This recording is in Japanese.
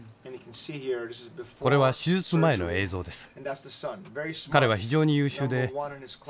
これは手術前の映像です。